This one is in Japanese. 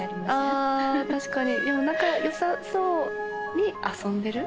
あ確かにでも仲良さそうに遊んでる？